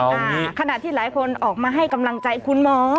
ขณะที่หลายคนออกมาให้กำลังใจคุณหมอ